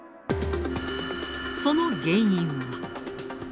その原因は。